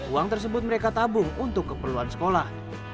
uang tersebut mereka tabung untuk keperluan sekolah